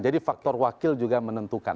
jadi faktor wakil juga menentukan